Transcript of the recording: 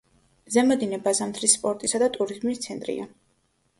ზემო დინება ზამთრის სპორტისა და ტურიზმის ცენტრია.